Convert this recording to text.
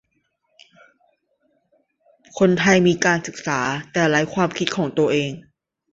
คนไทยมีการศึกษาแต่ไร้ความคิดของตัวเอง